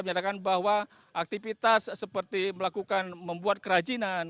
menyatakan bahwa aktivitas seperti melakukan membuat kerajinan